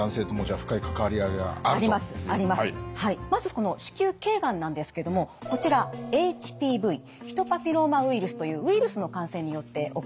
まずこの子宮頸がんなんですけどもこちらＨＰＶヒトパピローマウイルスというウイルスの感染によって起こるがんです。